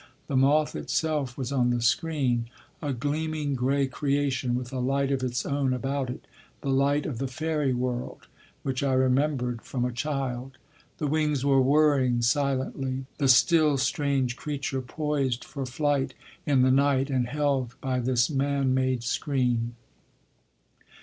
The moth itself was on the screen—a gleaming gray creation, with a light of its own about it—the light of the fairy world which I remembered from a child. The wings were whirring silently—the still strange creature poised for flight in the night, and held by this man made screen.